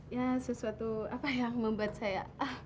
ya sesuatu apa yang membuat saya